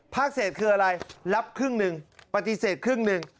เศษคืออะไรรับครึ่งหนึ่งปฏิเสธครึ่งหนึ่ง